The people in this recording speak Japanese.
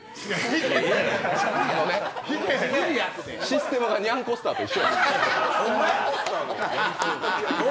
システムがにゃんこスターと一緒や。